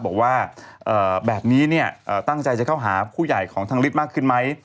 บอกว่าแบบนี้ตั้งใจจะเข้าหาผู้ใหญ่ของทางฤทธิ์มากขึ้นไหม